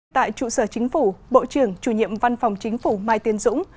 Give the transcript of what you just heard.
tại trụ sở chính phủ bộ trưởng chủ nhiệm văn phòng chính phủ mai tiên dũng